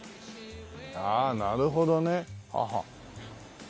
ああなるほどね。